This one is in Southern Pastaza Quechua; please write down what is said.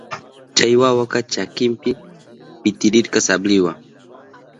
Chay wawaka chakinpi pitirirka sabliwa.